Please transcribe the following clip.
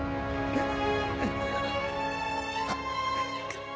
うっ。